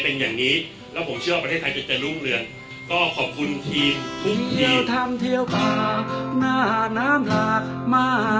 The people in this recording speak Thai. ใครพูดเอสลัม